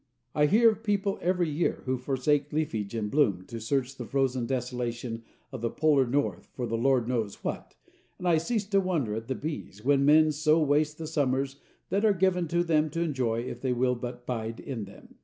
I hear of people every year who forsake leafage and bloom to search the frozen desolation of the polar north for the Lord knows what, and I cease to wonder at the bees, when men so waste the summers that are given them to enjoy if they will but bide in them.